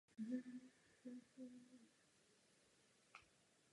Ústředním místem celého díla je bronzové křeslo.